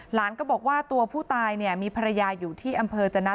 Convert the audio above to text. หลานก็บอกว่าตัวผู้ตายเนี่ยมีภรรยาอยู่ที่อำเภอจนะ